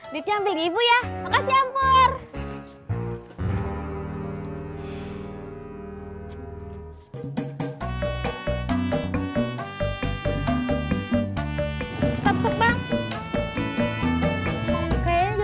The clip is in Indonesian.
ditiam begini ya